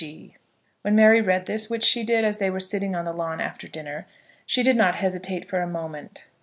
G. When Mary read this, which she did as they were sitting on the lawn after dinner, she did not hesitate for a moment.